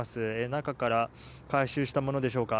中から回収したものでしょうか。